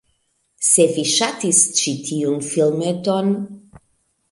Se vi ŝatis ĉi tiun filmeton